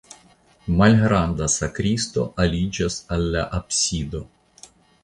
Malgranda sakristio aliĝas al la absido.